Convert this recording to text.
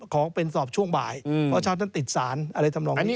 ของเป็นสอบช่วงบ่ายเพราะชาวนั้นติดศาลอะไรทำงาน